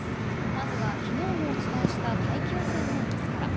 まずは、昨日もお伝えした大気汚染のニュースから。